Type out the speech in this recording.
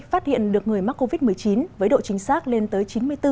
phát hiện được người mắc covid một mươi chín với độ chính xác lên tới chín mươi bốn